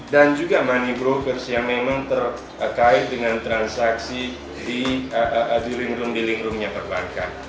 dan juga money brokers yang memang terkait dengan transaksi di link room link roomnya perbankan